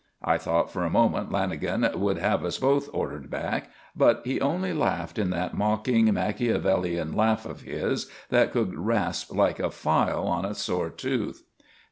I thought for a moment Lanagan would have us both ordered back, but he only laughed, in that mocking, Machiavelian laugh of his that could rasp like a file on a sore tooth.